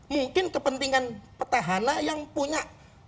mungkin kepentingan petahana yang punya